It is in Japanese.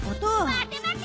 待て待て！